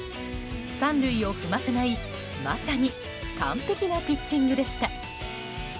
３塁を踏ませないまさに完璧なピッチングでした。